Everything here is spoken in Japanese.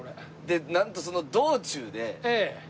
でなんとその道中で